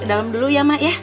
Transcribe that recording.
kedalam dulu ya mak yah